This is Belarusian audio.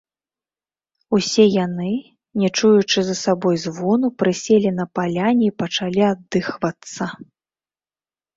Усе яны, не чуючы за сабой звону, прыселі на паляне і пачалі аддыхвацца.